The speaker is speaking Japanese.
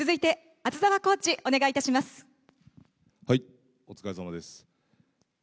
続いて、お疲れさまです。